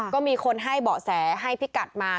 ก็มีคนให้เบาะแสให้พี่กัดมา